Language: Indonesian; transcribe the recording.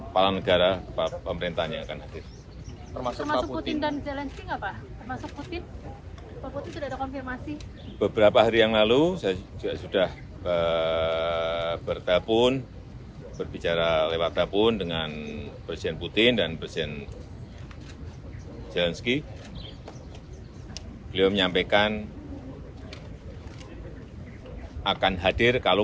beliau menyampaikan akan hadir kalau kondisinya memungkinkan